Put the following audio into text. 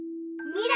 み！ら！